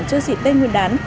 trước dịp tết nguyên đán